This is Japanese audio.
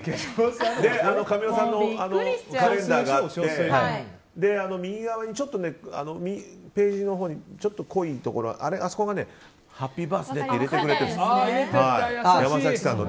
神尾さんのカレンダーがあって右側のページのほうにちょっと濃いところあそこがハッピーバースデーって入れてくれてるんです。